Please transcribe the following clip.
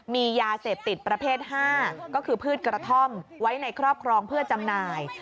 มียาเสพติดประเภท๕ก็คือพืชกระท่อมไว้ในครอบครองเพื่อจำหน่าย